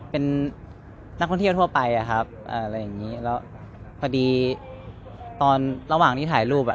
เวลาที่สุดตอนที่สุดตอนที่สุด